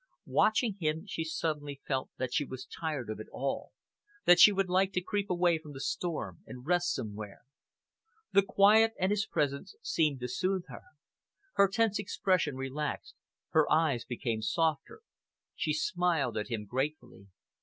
Watching him, she suddenly felt that she was tired of it all, that she would like to creep away from the storm and rest somewhere. The quiet and his presence seemed to soothe her. Her tense expression relaxed, her eyes became softer. She smiled at him gratefully.